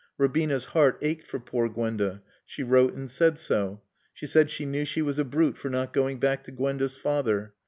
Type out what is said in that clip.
Robina's heart ached for poor Gwenda. She wrote and said so. She said she knew she was a brute for not going back to Gwenda's father.